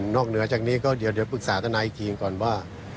เหนือจากนี้ก็เดี๋ยวปรึกษาทนายอีกทีก่อนว่า